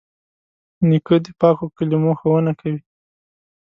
نیکه د پاکو کلمو ښوونه کوي.